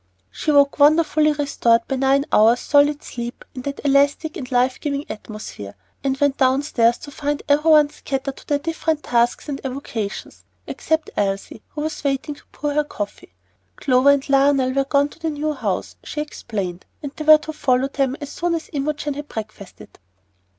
She woke wonderfully restored by nine hours' solid sleep in that elastic and life giving atmosphere, and went downstairs to find every one scattered to their different tasks and avocations, except Elsie, who was waiting to pour her coffee. Clover and Lionel were gone to the new house, she explained, and they were to follow them as soon as Imogen had breakfasted.